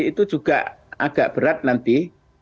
itu juga agak berat nanti